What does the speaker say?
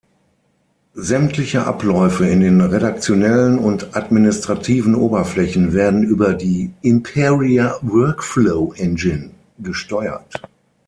Sämtliche Abläufe in den redaktionellen und administrativen Oberflächen werden über die "imperia-Workflow-Engine" gesteuert.